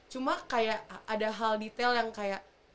cuma kayak ada hal detail yang kayak